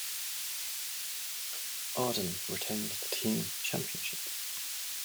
Arden retained the Team Championship.